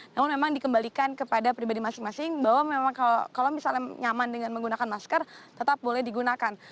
namun memang dikembalikan kepada pribadi masing masing bahwa memang kalau misalnya nyaman dengan menggunakan masker tetap boleh digunakan